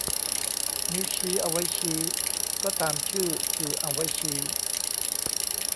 นิ้วชี้ เอาไว้ชี้ ก็ตามชื่อ คือเอาไว้ชี้